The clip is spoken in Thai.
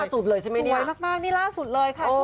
สวยมากนี่ล่าสุดเลยค่ะ